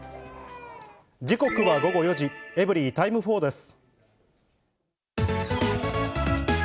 時刻は午後４時、エブリィタイム４です。